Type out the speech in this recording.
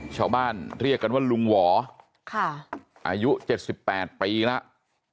ชาวบ้านเรียกกันว่าลุงหวออายุ๗๘ปีแล้ว